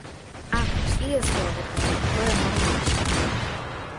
Ако и јас тоа го правам, тоа е нормално.